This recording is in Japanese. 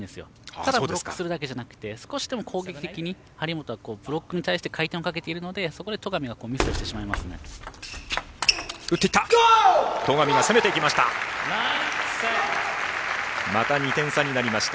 ただブロックするだけじゃなくて少しでも攻撃的にブロックに対して回転をかけているのでまた２点差になりました。